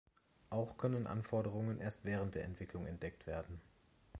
Auch können Anforderungen erst während der Entwicklung entdeckt werden.